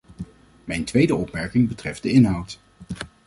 Mijn tweede opmerking betreft de inhoud.